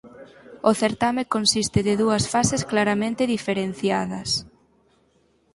O certame consiste de dúas fases claramente diferenciadas.